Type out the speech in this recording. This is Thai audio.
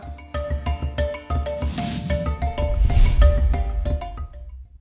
โทวัทเอ็กซ์ติ้งชัน